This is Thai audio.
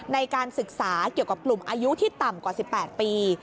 ในการศึกษาเกี่ยวกับกลุ่มอายุที่ต่ำกว่า๑๘ปี